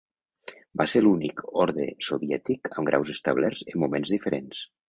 Va ser l'únic orde soviètic amb graus establerts en moments diferents.